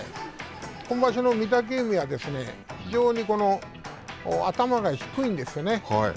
今場所の御嶽海は非常に頭が低いんですよね。